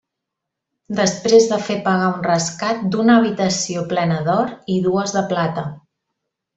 Després de fer pagar un rescat d'una habitació plena d'or i dues de plata.